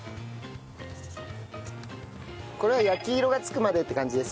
これは焼き色がつくまでって感じですか？